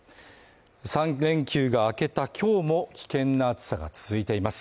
３連休が明けた今日も危険な暑さが続いています。